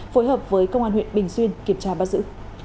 phối hợp với công an huyện bình xuyên kiểm tra bắt giữ